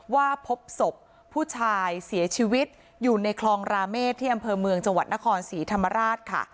ว่าพบศพผู้ชายเสียชีวิตอยู่ในคลองราเมฆที่อำเภอเมืองจังหวัดนครศรีธรรมราชค่ะ